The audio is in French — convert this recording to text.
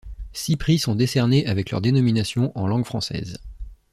Six prix sont décernés avec leur dénomination en langue française.